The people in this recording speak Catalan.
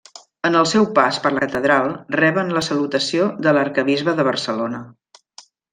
En el seu pas per la catedral, reben la salutació de l'Arquebisbe de Barcelona.